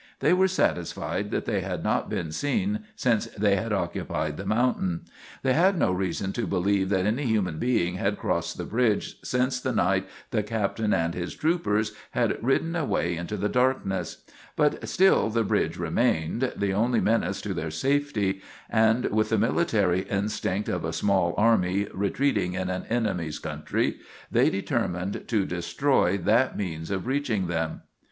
They were satisfied that they had not been seen since they had occupied the mountain. They had no reason to believe that any human being had crossed the bridge since the night the captain and his troopers had ridden away into the darkness; but still the bridge remained, the only menace to their safety, and, with the military instinct of a small army retreating in an enemy's country, they determined to destroy that means of reaching them.